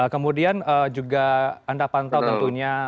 kemudian juga anda pantau tentunya